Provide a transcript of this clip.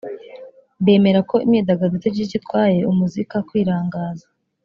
bemera ko imyidagaduro itagize icyo itwaye umuzika kwirangaza